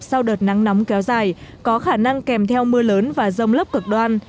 sau đợt nắng nóng kéo dài có khả năng kèm theo mưa lớn và rông lấp cực đoan